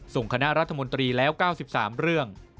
คณะรัฐมนตรีแล้ว๙๓เรื่อง